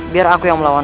biar aku yang melawan